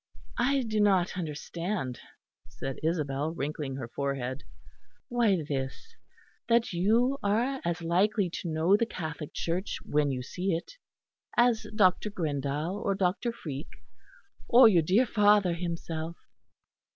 "I do not understand," said Isabel, wrinkling her forehead. "Why this that you are as likely to know the Catholic Church when you see it, as Dr. Grindal or Dr. Freake, or your dear father himself.